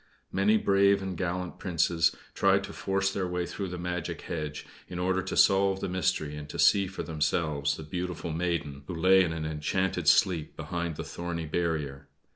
Many brave and gallant Princes tried to force their way through the magic hedge, in order to solve the mystery and to see for themselves the beautiful maiden who lay in an enchanted sleep behind that thorny barrier.